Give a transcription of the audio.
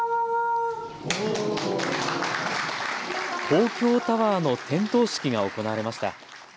東京タワーの点灯式が行われました。